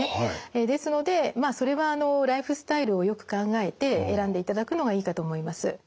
ですのでまあそれはライフスタイルをよく考えて選んでいただくのがいいかと思います。